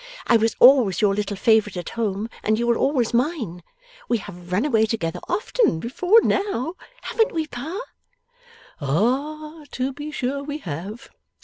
I was always your little favourite at home, and you were always mine. We have run away together often, before now; haven't we, Pa?' 'Ah, to be sure we have!